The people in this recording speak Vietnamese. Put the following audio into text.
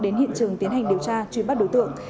đến hiện trường tiến hành điều tra truy bắt đối tượng